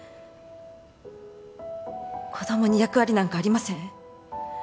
子供に役割なんかありません。